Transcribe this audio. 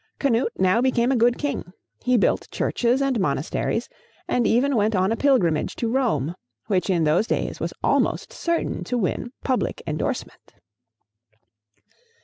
Canute now became a good king. He built churches and monasteries, and even went on a pilgrimage to Rome, which in those days was almost certain to win public endorsement.